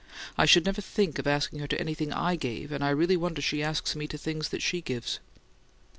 I should never think of asking her to anything I gave, and I really wonder she asks me to things SHE gives."